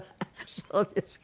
そうですか。